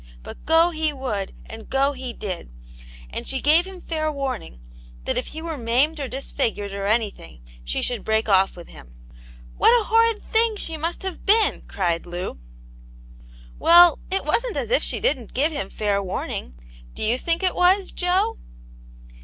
But go he would, and go he did, and she gave him fair warning, that if he were maimed or disfigured or anything, she should break off with him. " What a horrid thing she must have been!'* cried Lou. " Well — it wasn't as if she didn't give him fair warning. Do you think it was, Jo ?"